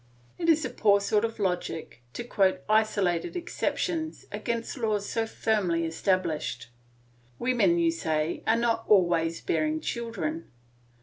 It is a poor sort of logic to quote isolated exceptions against laws so firmly established. Women, you say, are not always bearing children.